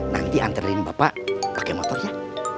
nanti anterin bapak pakai motor ya